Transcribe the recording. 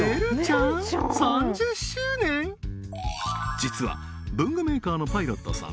実は文具メーカーのパイロットさん